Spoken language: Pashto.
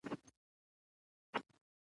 هغه د ازبکستان په اندیجان کې زیږیدلی.